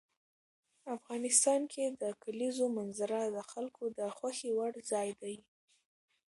افغانستان کې د کلیزو منظره د خلکو د خوښې وړ ځای دی.